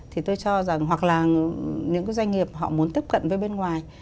thì tôi cho rằng hoặc là những cái doanh nghiệp họ muốn tiếp cận với bên ngoài